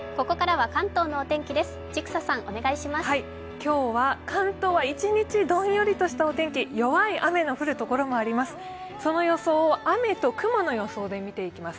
今日は関東は一日どんよりとしたお天気、弱い雨の降るところもあります。